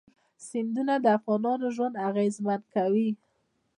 سیندونه د افغانانو ژوند اغېزمن کوي.